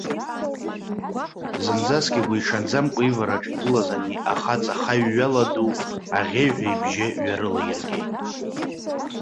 Зынӡаск игәиҽанӡамкәа ивараҿы игылаз ани ахаҵа хаҩҩала ду аӷьеҩҳәа ибжьы ҩарылаиргеит.